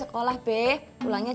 gak ada apa apa